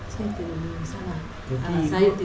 saya tidur di sana